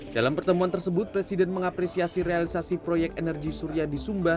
dalam pertemuan tersebut presiden mengapresiasi realisasi proyek energi surya di sumba